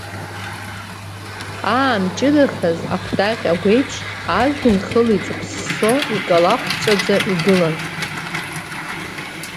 Аамҷыдахаз, акәтаӷь агәеиԥш, ажәҩан хыла иҵыԥссо, икалахәҵәаӡа игылан.